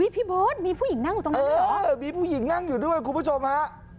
พี่เบิร์ตมีผู้หญิงนั่งอยู่ตรงนั้นเลยเหรอมีผู้หญิงนั่งอยู่ด้วยคุณผู้ชมฮะ